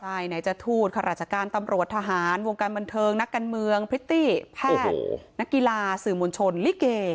ใช่ไหนจะทูตข้าราชการตำรวจทหารวงการบันเทิงนักการเมืองพริตตี้แพทย์นักกีฬาสื่อมวลชนลิเก